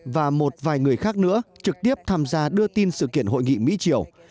và một vài người khác nữa trực tiếp tham gia đưa tin sự kiện hội nghị mỹ triều